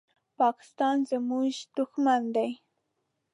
پاکستان زمونږ دوښمن دی